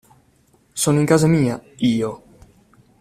Sono in casa mia, io!